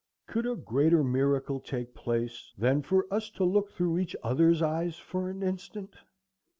Could a greater miracle take place than for us to look through each other's eyes for an instant?